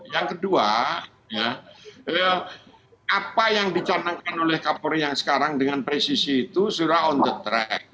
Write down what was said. yang kedua apa yang dicontohkan oleh kapolri yang sekarang dengan presisi itu sudah on the track